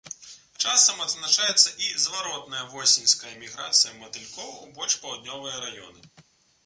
Часам адзначаецца і зваротная восеньская міграцыя матылькоў ў больш паўднёвыя раёны.